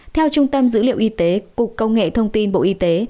theo trung tâm dữ liệu y tế cục công nghệ thông tin bộ y tế